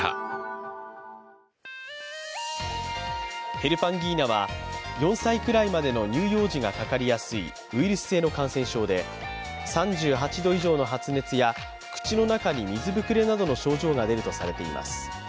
ヘルパンギーナは４歳くらいまでの乳幼児がかかりやすいウイルス性の感染症で、３８度以上の発熱や口の中に水ぶくれの症状が出るとされています。